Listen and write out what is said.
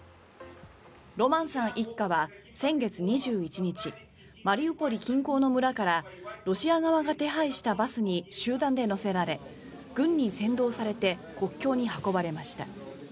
ロマンさん一家は先月２１日マリウポリ近郊の村からロシア側が手配したバスに集団で乗せられ軍に先導されて国境に運ばれました。